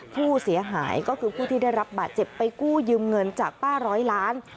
ผู้เสียหายก็คือผู้ที่ได้รับบาดเจ็บไปกู้ยืมเงินจากป้าร้อยล้าน